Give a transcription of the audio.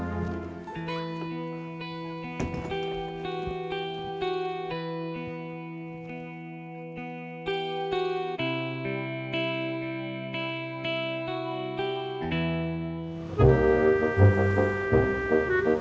bapak sudah selesai